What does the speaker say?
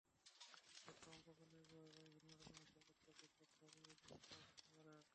একটু অঙ্ক করলেই বোঝা যাবে, ভিন্ন রকমের সর্বোচ্চ দশভাবে এগুলো পাওয়া যেতে পারে।